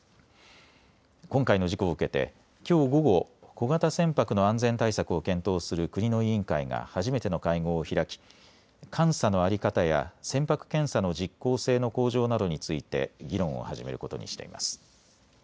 今回の事故を受けてきょう午後、小型船舶の安全対策を検討する国の委員会が初めての会合を開き監査の在り方や船舶検査の実効性の向上などについて議論を始めることにしています。